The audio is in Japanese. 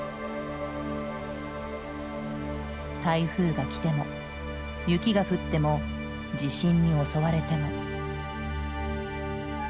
台風がきても雪が降っても地震に襲われても。